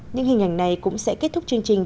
những hình ảnh này cũng sẽ kết thúc chương trình